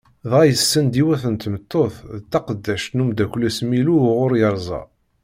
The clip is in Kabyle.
Dɣa yessen-d yiwet n tmeṭṭut, d taqeddact n umdakel-is Milu uɣur yerza.